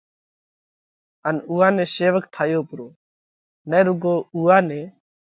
ان اُوئا نئہ شيوڪ ٺايو پرو، نہ رُوڳو اُوئا نئہ